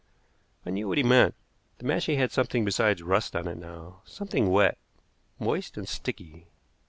I knew what he meant. The mashie had something besides rust on it now, something wet, moist and sticky.